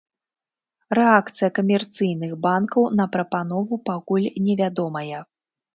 Рэакцыя камерцыйных банкаў на прапанову пакуль невядомая.